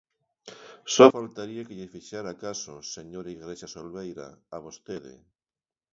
¡Só faltaría que lle fixera caso, señor Igrexa Solbeira, a vostede!